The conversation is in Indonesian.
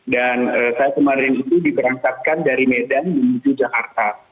dan saya kemarin itu diberangkatkan dari medan menuju jakarta